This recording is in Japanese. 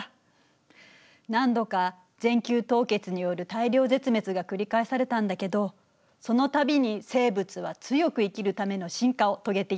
何度か全球凍結による大量絶滅が繰り返されたんだけどその度に生物は強く生きるための進化を遂げていったの。